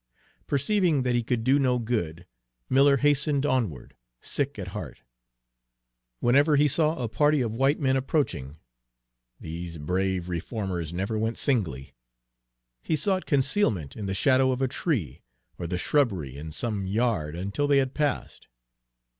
Perceiving that he could do no good, Miller hastened onward, sick at heart. Whenever he saw a party of white men approaching, these brave reformers never went singly, he sought concealment in the shadow of a tree or the shrubbery in some yard until they had passed.